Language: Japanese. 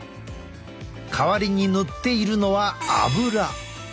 代わりに塗っているのはアブラ。